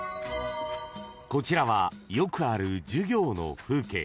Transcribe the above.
［こちらはよくある授業の風景］